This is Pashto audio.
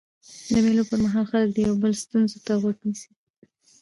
د مېلو پر مهال خلک د یو بل ستونزو ته غوږ نیسي.